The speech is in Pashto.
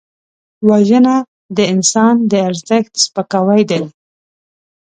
وژنه د انسان د ارزښت سپکاوی دی